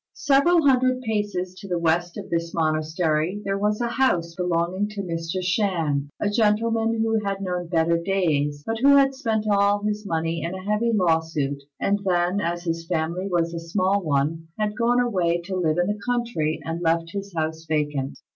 Several hundred paces to the west of this monastery there was a house belonging to a Mr. Shan, a gentleman who had known better days, but who had spent all his money in a heavy law suit; and then, as his family was a small one, had gone away to live in the country and left his house vacant.